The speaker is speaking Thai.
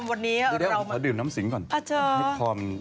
เร็วเดี๋ยวไปดื่มน้ำสิงภ่วน